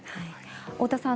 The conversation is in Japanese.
太田さん